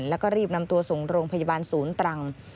แล้วก็รีบนำตัวส่งโรงพยาบาลศูนย์ตรัง